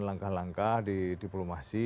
langkah langkah di diplomasi